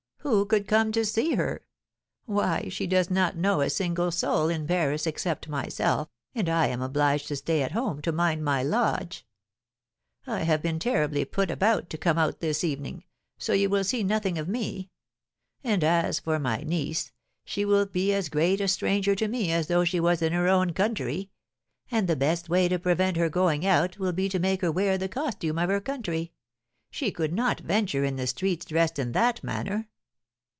Who could come to see her? Why, she does not know a single soul in Paris, except myself, and I am obliged to stay at home to mind my lodge. I have been terribly put about to come out this evening, so you will see nothing of me; and as for my niece, she will be as great a stranger to me as though she was in her own country; and the best way to prevent her going out will be to make her wear the costume of her country, she could not venture in the streets dressed in that manner.'